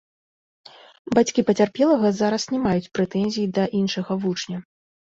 Бацькі пацярпелага зараз не маюць прэтэнзій да іншага вучня.